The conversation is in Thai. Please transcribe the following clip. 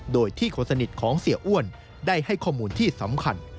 โดยที่คนสนิทของเสียอ้วนได้ให้ข้อมูลที่สำคัญ